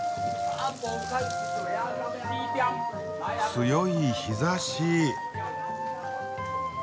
強い日ざし！